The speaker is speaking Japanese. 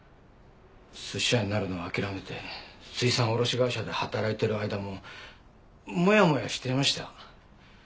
寿司屋になるのを諦めて水産卸会社で働いている間もモヤモヤしていましたよ。